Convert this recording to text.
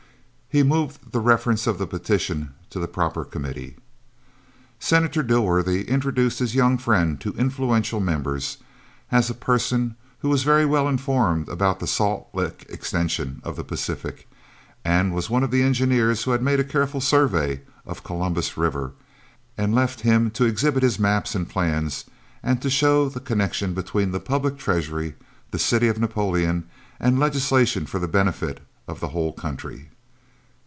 He moved the reference of the petition to the proper committee. Senator Dilworthy introduced his young friend to influential members, as a person who was very well informed about the Salt Lick Extension of the Pacific, and was one of the Engineers who had made a careful survey of Columbus River; and left him to exhibit his maps and plans and to show the connection between the public treasury, the city of Napoleon and legislation for the benefit off the whole country.